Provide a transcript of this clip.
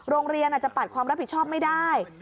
โรงเรียนอาจจะปัดความรับผิดชอบไม่ได้